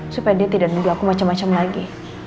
supaya dia tidak nunggu aku macam macam lagi